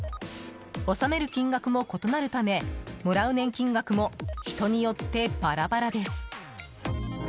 納める金額も異なるためもらう年金額も人によってバラバラです。